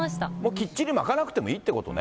きっちり巻かなくてもいいってことね。